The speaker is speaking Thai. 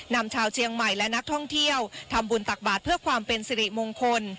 นำชาวเชียงใหม่และนักท่องเที่ยวทำบุญตักบาทเพื่อความเป็นสิริมงคล